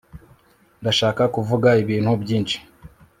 ndashaka kuvuga ibintu byinshi